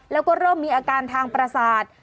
แล้วก็เริ่มมีอาการทางประสาท